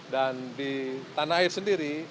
dan di tanah air sendiri